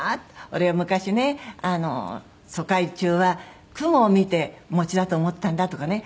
俺は昔ね疎開中は雲を見て餅だと思ったんだ」とかね